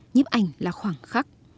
nhiếp ảnh là khoảng khắc